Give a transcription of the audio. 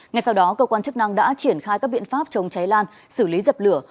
ngay sau đó cơ quan chức năng đã triển khai các biện pháp chống cháy lan xử lý dập lửa